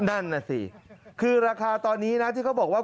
นั่นน่ะสิคือราคาตอนนี้นะที่เขาบอกว่า